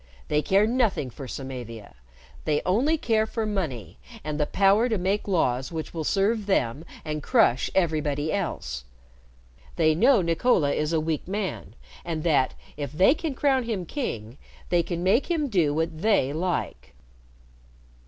"They care nothing for Samavia. They only care for money and the power to make laws which will serve them and crush everybody else. They know Nicola is a weak man, and that, if they can crown him king, they can make him do what they like."